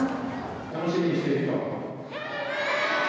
楽しみにしている人？